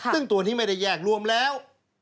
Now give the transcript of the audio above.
ซึ่งตัวนี้ไม่ได้แยกรวมแล้ว